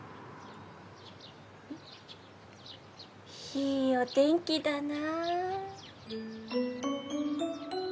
いいお天気だな。